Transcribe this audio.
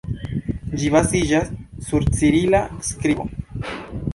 Ĝi baziĝas sur cirila skribo.